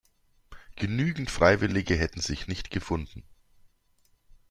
Genügend Freiwillige hätten sich nicht gefunden.